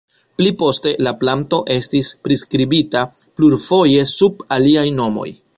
Pli poste la planto estis priskribita plurfoje sum aliaj nomoj.